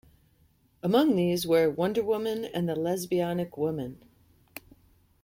Among these were "Wonder Woman" and "The Lesbionic Woman.